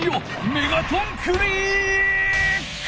メガトンクリック！